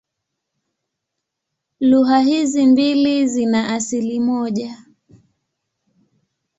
Lugha hizi mbili zina asili moja.